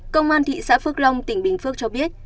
công an thị xã phước long tỉnh bình phước cho biết